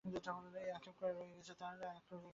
এই আক্ষেপ রয়ে গেছে তাঁর।